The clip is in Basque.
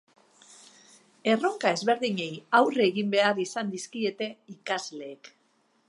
Erronka ezberdinei aurre egin behar izan dizkiete ikasleek.